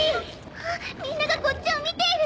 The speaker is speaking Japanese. あっみんながこっちを見ている。